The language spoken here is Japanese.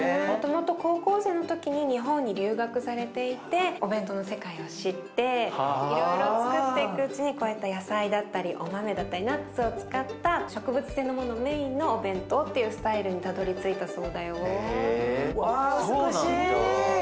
もともと高校生の時に日本に留学されていてお弁当の世界を知っていろいろつくっていくうちにこういった野菜だったりお豆だったりナッツを使った植物性のものメインのお弁当っていうスタイルにたどりついたそうだよ。